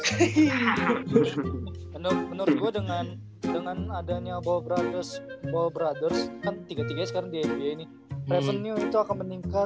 menurut gue dengan adanya ball brothers ball brothers kan tiga tiganya sekarang di nba nih